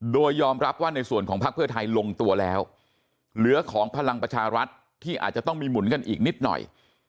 โดยยอมรับว่าในส่วนของพักเพื่อไทยลงตัวแล้วเหลือของพลังประชารัฐที่อาจจะต้องมีหมุนกันอีกนิดหน่อย